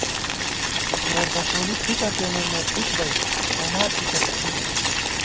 گور دفولی تھِکہ پېنہ نہ تھِک بئ پنا تھِتہ اِڅِننہ